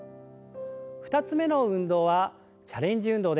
２つ目の運動はチャレンジ運動です。